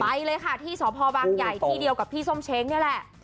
ไปเลยค่ะที่สพบางใหญ่ที่เดียวกับพี่ส้มเช้งนี่แหละ